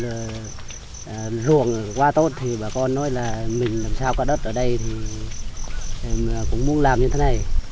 khi mà la rồi ruộng qua tốt thì bà con nói là mình làm sao cả đất ở đây thì cũng muốn làm như thế này